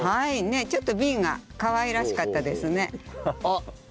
ちょっと瓶がかわいらしかったですね。